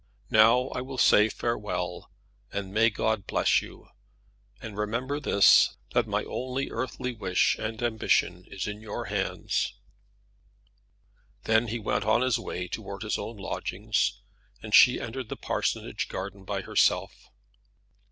Now I will say farewell, and may God bless you; and remember this, that my only earthly wish and ambition is in your hands." Then he went on his way towards his own lodgings, and she entered the parsonage garden by herself.